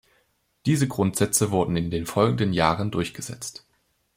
Diese Grundsätze wurden in den folgenden Jahren durchgesetzt.